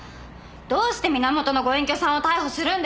どうして源のご隠居さんを逮捕するんですか？